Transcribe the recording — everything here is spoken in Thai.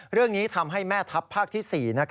เรื่องนี้ทำให้แม่ทัพภาคที่๔